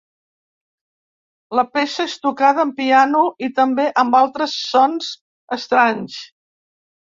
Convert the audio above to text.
La peça és tocada amb piano i també amb altres sons estranys.